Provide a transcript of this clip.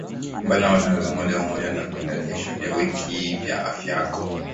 Mbali na matangazo ya moja kwa moja tuna vipindi vya televisheni vya kila wiki vya Afya Yako